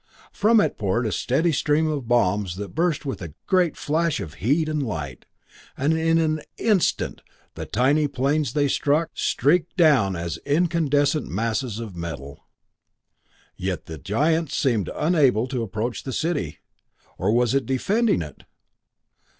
From it poured a steady stream of bombs that burst with a great flash of heat and light, and in an instant the tiny planes they struck streaked down as incandescent masses of metal. Yet the giant seemed unable to approach the city or was it defending it?